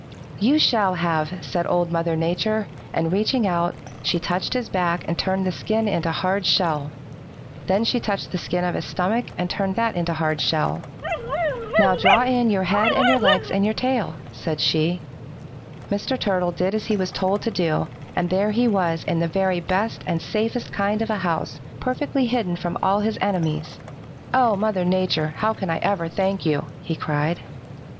"'You shall have,' said Old Mother Nature, and reaching out, she touched his back and turned the skin into hard shell. Then she touched the skin of his stomach and turned that into hard shell. 'Now draw in your head and your legs and your tail,' said she. "Mr. Turtle did as he was told to do, and there he was in the very best and safest kind of a house, perfectly hidden from all his enemies! "'Oh, Mother Nature, how can I ever thank you?' he cried.